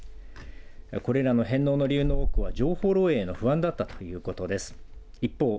これらの返納の理由の多くは情報漏えいの不安だったということです。